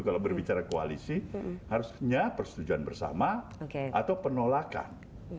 kalau berbicara koalisi harusnya persetujuan bersama atau penolakan